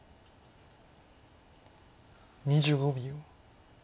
２５秒。